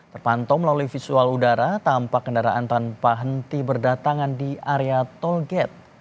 terpantau melalui visual udara tampak kendaraan tanpa henti berdatangan di area tol gate